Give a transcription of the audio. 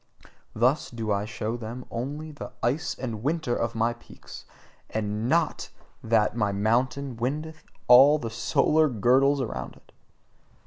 Thus do I show them only the ice and winter of my peaks and NOT that my mountain windeth all the solar girdles around it!